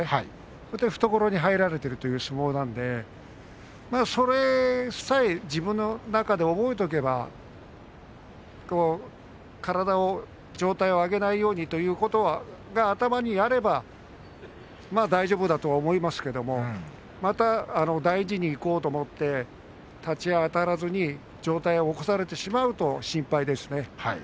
それで懐に入られているという相撲なのでそれさえ自分の中でよく覚えておけば上体を上げないようにということが頭にあればまあ大丈夫だと思いますけどまた大事にいこうと思って立ち合いあたらずに上体を起こされてしまうと心配ですね。